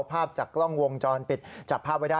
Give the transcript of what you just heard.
ภาพจากกล้องวงจรปิดจับภาพไว้ได้